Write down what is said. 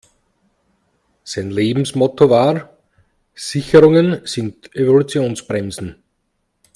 Sein Lebensmotto war: Sicherungen sind Evolutionsbremsen.